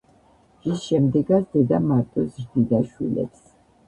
რის შემდეგაც დედა მარტო ზრდიდა შვილებს.